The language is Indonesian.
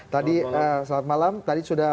tadi selamat malam tadi sudah